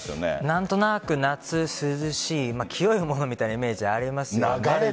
何となく、夏涼しい清いみたいなイメージがありますよね。